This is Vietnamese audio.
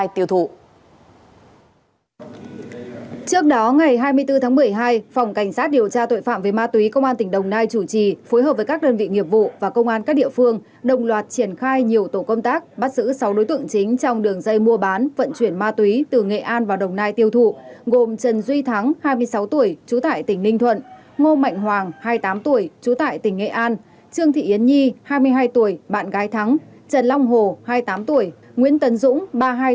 trước đó ngày hai mươi bốn tháng một mươi hai phòng cảnh sát điều tra tội phạm về ma túy công an tỉnh đồng nai chủ trì phối hợp với các đơn vị nghiệp vụ và công an các địa phương đồng loạt triển khai nhiều tổ công tác bắt giữ sáu đối tượng chính trong đường dây mua bán vận chuyển ma túy từ nghệ an vào đồng nai tiêu thụ gồm trần duy thắng hai mươi sáu tuổi trú tại tỉnh ninh thuận ngô mạnh hoàng hai mươi tám tuổi trú tại tỉnh nghệ an trương thị yến nhi hai mươi hai tuổi bạn gái thắng trần long hồ hai mươi tám tuổi nguyễn tân dũng hai mươi tám tuổi bạn gái thắng tr